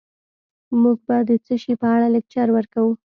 موږ به د څه شي په اړه لکچر ورکوو